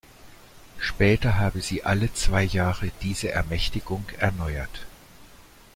Später habe sie alle zwei Jahre diese Ermächtigung erneuert.